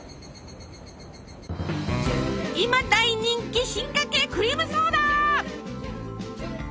今大人気進化形クリームソーダ！